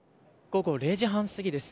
午後０時半過ぎです。